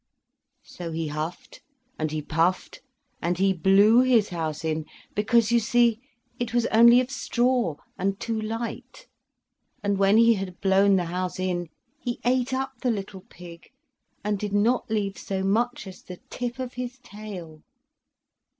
So he huffed and he puffed, and he blew his house in, because, you see, it was only of straw and too light; and when he had blown the house in, he ate up the little pig, and did not leave so much as the tip of his tail.